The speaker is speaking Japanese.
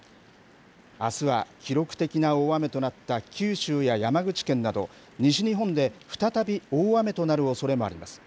あすは記録的な大雨となった九州や山口県など、西日本で再び大雨となるおそれもあります。